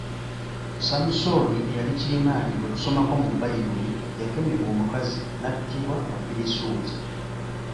Samusoni eyali kirimaanyi gwe tusomako mu Baibuli yakemebwa omukazi nattibwa abafirisuuti.